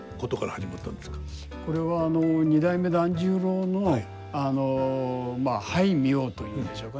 これは二代目團十郎の俳名というんでしょうかね